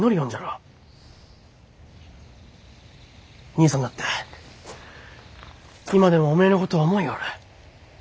兄さんだって今でもおめえのことを思ようる。